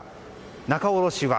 仲卸は？